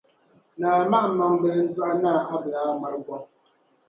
Naa Mahanmaŋ bila n-dɔɣi Naa Abdulai ŋmarugɔŋ: